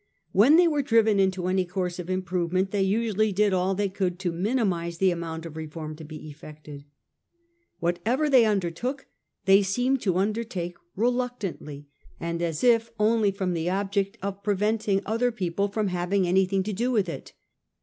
When they were driven into any course, of improvement they usually did all they could to minimise the amount of reform to be effected. Whatever they undertook they seemed to undertake reluctantly, and as if only with the object of preventing other people 1837 9 , 1840 . THE SPIRIT OF REFORM. 189 from having anything to do with it.